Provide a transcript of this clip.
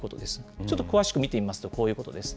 ちょっと詳しく見てみますと、こういうことです。